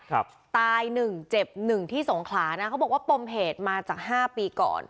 ตายหนึ่งเจ็บหนึ่งที่สงขลานะเขาบอกว่าปมเหตุมาจากห้าปีก่อน